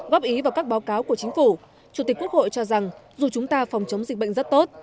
góp ý vào các báo cáo của chính phủ chủ tịch quốc hội cho rằng dù chúng ta phòng chống dịch bệnh rất tốt